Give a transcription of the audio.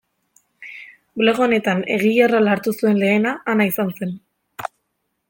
Blog honetan egile rola hartu zuen lehena Ana izan zen.